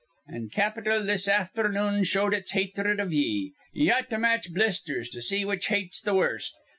An' capital this afthernoon showed its hatred iv ye. Ye ought to match blisters to see which hates th' worst.